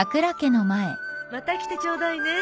また来てちょうだいね。